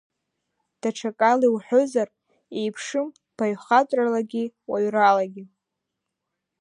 Даҽакала иуҳәозар, еиԥшым баҩхатәралагьы уаҩралагьы.